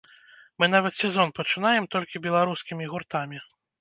Мы нават сезон пачынаем толькі беларускімі гуртамі.